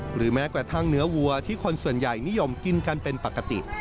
หรือแม้กระทั่งเนื้อวัวที่คนส่วนใหญ่นิยมกินกันเป็นปกติ